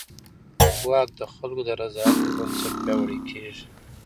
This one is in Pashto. واک د خلکو د رضایت پر بنسټ پیاوړی کېږي.